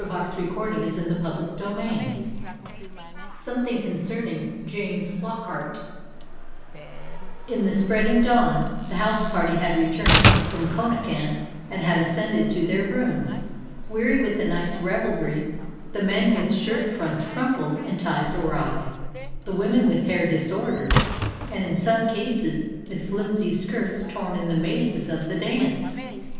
And they contained a man's secret. CHAPTER IV SOMETHING CONCERNING JAMES FLOCKART In the spreading dawn the house party had returned from Connachan and had ascended to their rooms, weary with the night's revelry, the men with shirt fronts crumpled and ties awry, the women with hair disordered, and in some cases with flimsy skirts torn in the mazes of the dance.